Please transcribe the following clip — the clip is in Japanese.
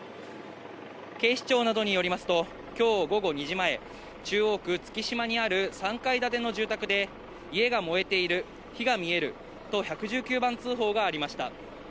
警視庁などによりますと、きょう午後２時前、中央区月島にある３階建ての住宅で、家が燃えている、火が見えると１１９番通報がありました。